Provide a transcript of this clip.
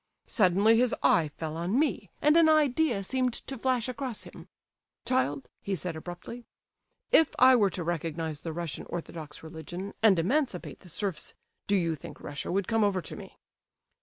Suddenly his eye fell on me and an idea seemed to flash across him. "'Child,' he said, abruptly. 'If I were to recognize the Russian orthodox religion and emancipate the serfs, do you think Russia would come over to me?